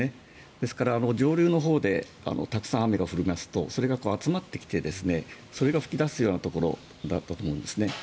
ですから、上流のほうでたくさん雨が降りますとそれが集まってきてそれが噴き出すようなところだったと思うんですね。